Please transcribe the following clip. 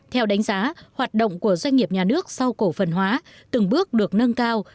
theo đánh giá hoạt động của doanh nghiệp nhà nước sau cổ phần hóa từng bước được nâng cao